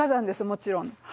もちろん。